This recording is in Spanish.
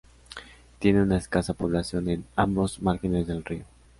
Tiene una escasa población en ambos márgenes del río.